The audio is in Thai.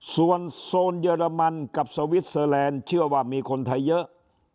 ส่วนโซนเยอรมันกับสวิสเตอร์แลนด์เชื่อว่ามีคนไทยเยอะ